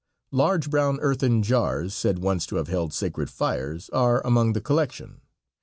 Large brown earthen jars, said once to have held sacred fires, are among the collection.